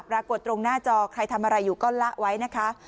ปรากฏตรงหน้าจอใครทำอะไรอยู่ก็ละไว้นะคะ